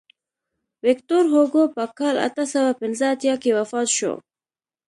ویکتور هوګو په کال اته سوه پنځه اتیا کې وفات شو.